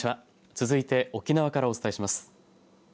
続いて沖縄からお伝えします。